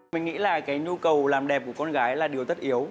mình nghĩ là cái nhu cầu làm đẹp của con gái là điều tất yếu